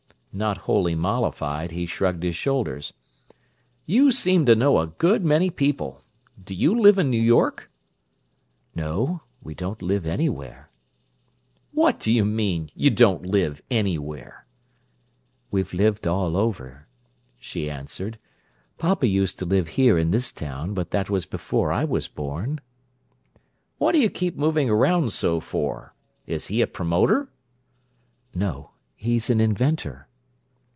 Not wholly mollified, he shrugged his shoulders. "You seem to know a good many people! Do you live in New York?" "No. We don't live anywhere." "What you mean: you don't live anywhere?" "We've lived all over," she answered. "Papa used to live here in this town, but that was before I was born." "What do you keep moving around so for? Is he a promoter?" "No. He's an inventor."